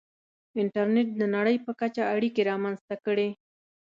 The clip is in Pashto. • انټرنېټ د نړۍ په کچه اړیکې رامنځته کړې.